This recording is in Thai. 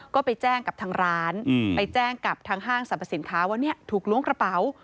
ก็ไปแจ้งกับทางร้านไปแจ้งกับทางห้างสรรพสินค้าว่าเนี่ยถูกล้วงกระเป๋า